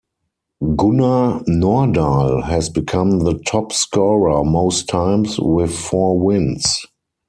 Gunnar Nordahl has become the top scorer most times, with four wins.